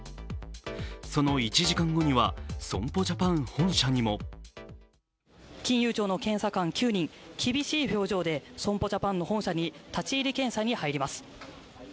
その１時間後には損保ジャパン本社にも金融庁の検査官９人、厳しい表情で損保ジャパンの本社に立ち入り検査に入ります